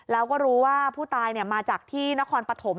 แล้วก็รู้ว่าผู้ตายมาจากที่นครปฐม